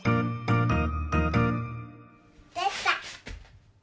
できた！